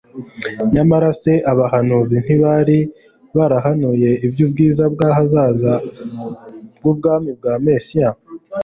Nyamara se abahanuzi ntibari barahanuye iby'ubwiza bw'ahazaza bw'ubwami bwa Mesiya?